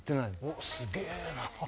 おっすげえな。